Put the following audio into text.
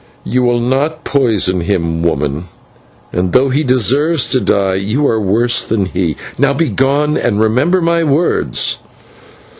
"You will not poison him, woman; and, though he deserves to die, you are worse than he. Now begone, and remember my words!"